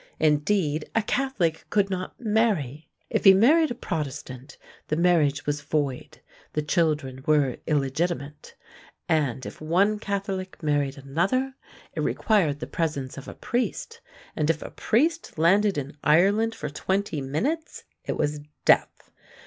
Indeed, a Catholic could not marry! If he married a Protestant, the marriage was void; the children were illegitimate. And, if one Catholic married another, it required the presence of a priest, and if a priest landed in Ireland for twenty minutes, it was death!